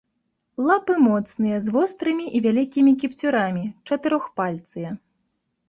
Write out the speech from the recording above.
Лапы моцныя, з вострымі і вялікімі кіпцюрамі, чатырохпальцыя.